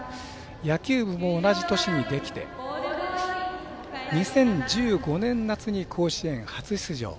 野球部も同じ年にできて２０１５年夏に甲子園初出場。